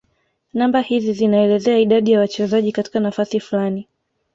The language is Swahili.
namba hizi zinaelezea idadi ya wachezaji katika nafasi fulani